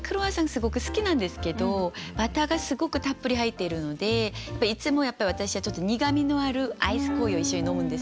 すごく好きなんですけどバターがすごくたっぷり入っているのでいつもやっぱり私はちょっと苦みのあるアイスコーヒーを一緒に飲むんですね。